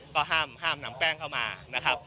ก็ห้ามนำแป้งเข้ามา